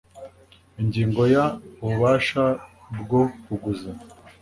Ingingo ya ububasha bwo kuguza